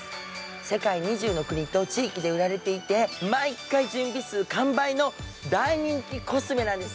世界２０の国と地域で売られていて、毎回完売の大人気のコスメなんです。